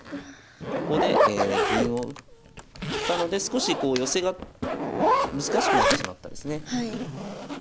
ここで銀を打ったので少し寄せが難しくなってしまったですね。